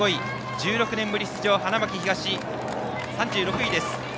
１６年ぶり出場の花巻東は３６位。